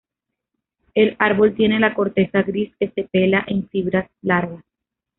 El árbol tiene la corteza gris que se pela en fibras largas.